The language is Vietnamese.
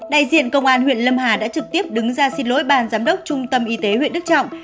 đại diện công an huyện lâm hà đã trực tiếp đứng ra xin lỗi ban giám đốc trung tâm y tế huyện đức trọng